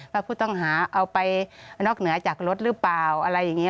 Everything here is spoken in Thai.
ว่าผู้ต้องหาเอาไปนอกเหนือจากรถหรือเปล่าอะไรอย่างนี้